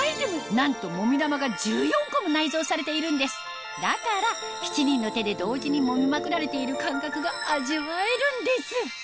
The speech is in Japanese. なんともみ玉が１４個も内蔵されているんですだから７人の手で同時にもみまくられている感覚が味わえるんです